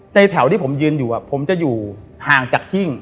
แถวที่ผมยืนอยู่ผมจะอยู่ห่างจากหิ้ง